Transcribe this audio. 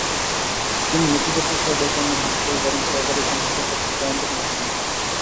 তিনি নথিপত্রসহ ডেকে আনলেন হাসপাতালের প্রধান সহকারী কাম হিসাবরক্ষক জয়ন্ত কুমার সেনকে।